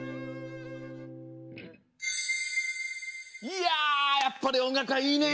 いややっぱりおんがくはいいね。